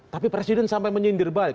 tapi presiden sampai menyindir baik